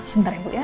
sebentar ya bu ya